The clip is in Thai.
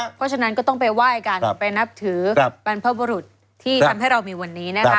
เพราะฉะนั้นก็ต้องไปไหว้กันไปนับถือบรรพบุรุษที่ทำให้เรามีวันนี้นะคะ